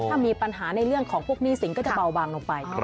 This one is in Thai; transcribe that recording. ถ้ามีปัญหาในเรื่องของพวกหนี้สินก็จะเบาบางลงไป